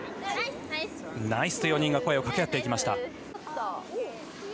ナイスと４人が声を掛け合っていました。